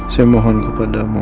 saya mohon kepada kamu